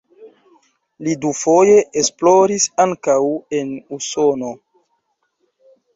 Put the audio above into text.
Li dufoje esploris ankaŭ en Usono.